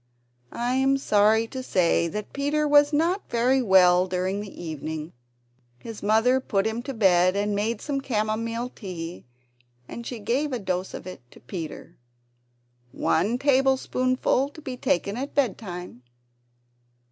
I am sorry to say that Peter was not very well during the evening. His mother put him to bed, and made some camomile tea; and she gave a dose of it to Peter! "One table spoonful to be taken at bed time."